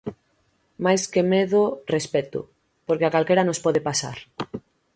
Máis que medo, respecto, porque a calquera nos pode pasar.